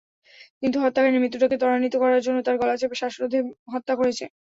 কিন্তু হত্যাকারীরা মৃত্যুটাকে ত্বরান্বিত করার জন্য তার গলা চেপে শ্বাসরোধে হত্যা করেছে।